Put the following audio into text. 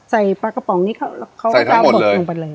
ปลากระป๋องนี้เขาก็จะเอาหมึกลงไปเลย